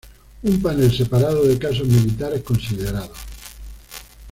Un panel separado de casos militares considerados.